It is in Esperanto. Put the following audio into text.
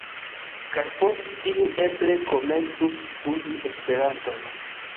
Kaj post tiu eble komencus studi Esperanton